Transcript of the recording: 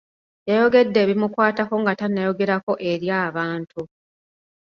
Yayogedde ebimukwatako nga tannayogerako eri abantu.